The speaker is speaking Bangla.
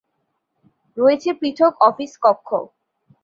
রয়েছে পৃথক অফিস কক্ষ।